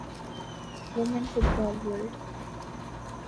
women football world